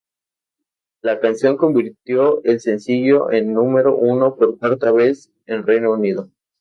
La canción convirtió el sencillo en número uno por cuarta vez en Reino Unido.